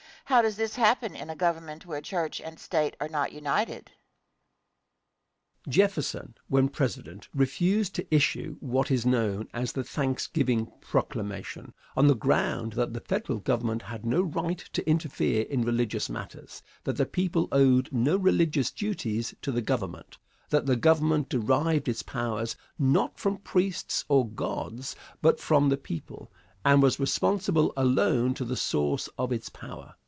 How does this happen in a Government where church and state are not united? Answer. Jefferson, when President, refused to issue what is known as the "Thanksgiving Proclamation," on the ground that the Federal Government had no right to interfere in religious matters; that the people owed no religious duties to the Government; that the Government derived its powers, not from priests or gods, but from the people, and was responsible alone to the source of its power.